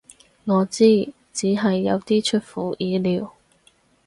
我知，只係有啲出乎意料